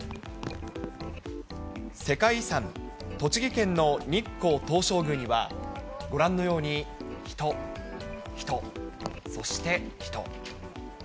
世界遺産、栃木県の日光東照宮には、ご覧のように人、人、そして人。